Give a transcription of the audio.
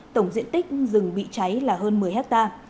tổng diện tích rừng bị cháy là hơn một mươi hectare